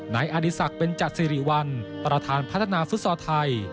นายอดีศักดิ์เป็นจัดสิริวัลประธานพัฒนาฟุตซอลไทย